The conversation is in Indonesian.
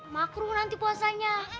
makruh nanti puasanya